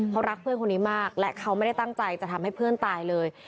เขารักเพื่อนคนนี้มากและเขาไม่ได้ตั้งใจจะทำให้เพื่อนตายเลย